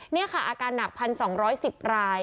นี่ค่ะอาการหนัก๑๒๑๐ราย